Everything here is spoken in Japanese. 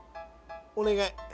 お願い。